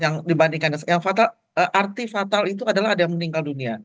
yang dibandingkan yang arti fatal itu adalah ada yang meninggal dunia